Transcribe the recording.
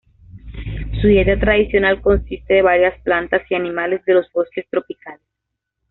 Su dieta tradicional consiste de varias plantas y animales de los bosques tropicales.